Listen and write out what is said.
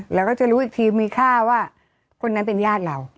เราก็จะรู้อีกทีมีค่าว่าคนนั้นเป็นญาติเรา